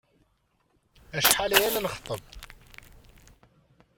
Acḥal aya la nxeṭṭeb.